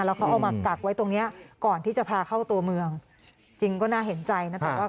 แล้วเขาเอามากักไว้ตรงนี้ก่อนที่จะพาเข้าตัวเมืองจริงก็น่าเห็นใจนะแต่ว่า